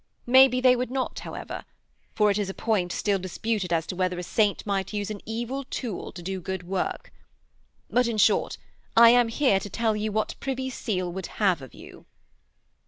Maybe they would not, however: for it is a point still disputed as to whether a saint might use an evil tool to do good work. But, in short, I am here to tell you what Privy Seal would have of you.'